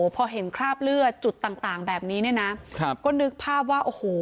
พอเห็นคราบเลือดจุดต่างต่างแบบนี้เนี่ยนะครับก็นึกภาพว่าโอ้โห